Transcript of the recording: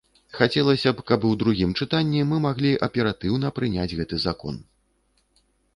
Хацелася б, каб у другім чытанні мы маглі аператыўна прыняць гэты закон.